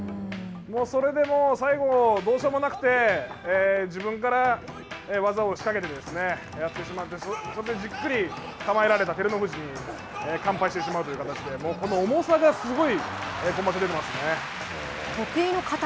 それで、もう最後どうしようもなくて自分から技を仕掛けてやってしまってそれでじっくり構えられた照ノ富士に完敗してしまうという形でこの重さがすごい